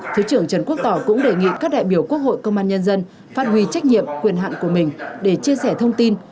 thứ trưởng trần quốc tỏ cũng đề nghị các đại biểu quốc hội công an nhân dân phát huy trách nhiệm quyền hạn của mình để chia sẻ thông tin